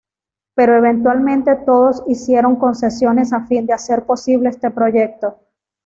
Pero eventualmente, todos hicieron concesiones a fin de hacer posible este proyecto.